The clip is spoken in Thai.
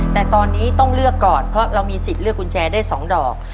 แต่ตอนนี้ต้องเลือกก่อนเพราะเรามีสิทธิ์เลือกกุญแจได้๒ดอก